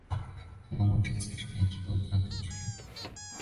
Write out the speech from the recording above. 乾隆五十四年提督江苏学政。